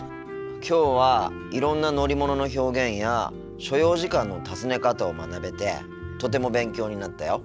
きょうはいろんな乗り物の表現や所要時間の尋ね方を学べてとても勉強になったよ。